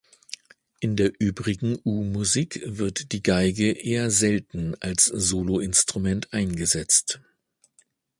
In der übrigen U-Musik wird die Geige eher selten als Solo-Instrument eingesetzt.